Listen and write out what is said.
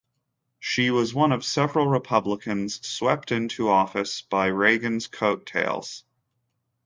She was one of several Republicans swept into office by Reagan's coattails.